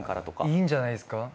いいんじゃないですか。